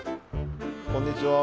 こんにちは。